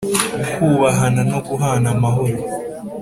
Kubahana no guhana amahoro